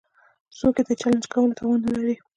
څوک يې د چلېنج کولو توان نه لري.